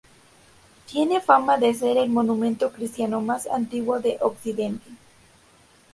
Tiene fama de ser el monumento cristiano más antiguo de Occidente.